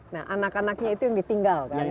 nah anak anaknya itu yang ditinggal kan